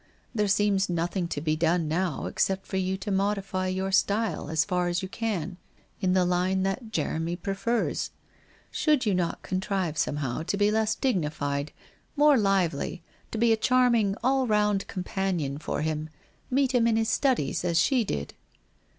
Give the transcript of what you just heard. There seems nothing to be done now except for you to modify your style as far as you can in the line that Jeremy prefers. Should you not contrive somehow to be less digni WHITE ROSE OF WEARY LEAF 395 fled, more lively, to be a charming, all around companion for him, meet him in his studies, as she did